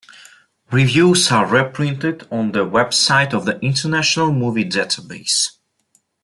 Reviews are reprinted on the website of the International Movie Data Base.